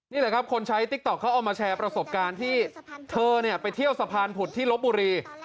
นี่แหละครับคนใช้ติ๊กต๊อกเขาเอามาแชร์ประสบการณ์ที่เธอไปเที่ยวสะพานผุดที่ลบบุรี